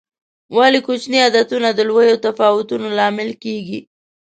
ولې کوچیني عادتونه د لویو تفاوتونو لامل کېږي؟